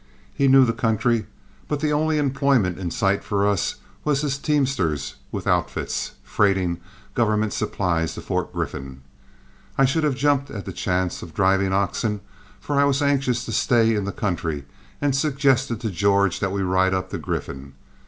He knew the country, but the only employment in sight for us was as teamsters with outfits, freighting government supplies to Fort Griffin. I should have jumped at the chance of driving oxen, for I was anxious to stay in the country, and suggested to George that we ride up to Griffin.